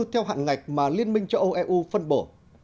theo hạn ngạch mà liên minh châu âu eu phân bổ